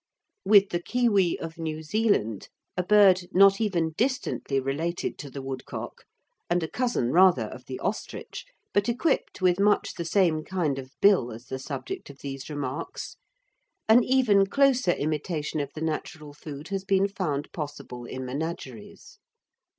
With the kiwi of New Zealand, a bird not even distantly related to the woodcock, and a cousin rather of the ostrich, but equipped with much the same kind of bill as the subject of these remarks, an even closer imitation of the natural food has been found possible in menageries.